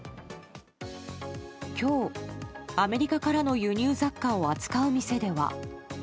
今日、アメリカからの輸入雑貨を扱う店では。